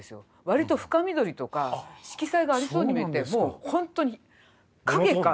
割と深緑とか色彩がありそうに見えてもうほんとに影か